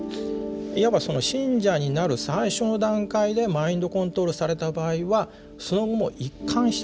いわばその信者になる最初の段階でマインドコントロールされた場合はその後も一貫してですね